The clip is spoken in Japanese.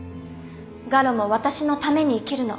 我路も私のために生きるの